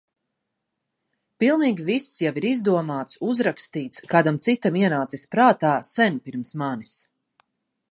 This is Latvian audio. Pilnīgi viss jau ir izdomāts, uzrakstīts, kādam citam ienācis prātā sen pirms manis.